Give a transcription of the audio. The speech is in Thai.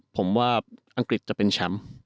ผมว่าอังกฤษจะเป็นแชมป์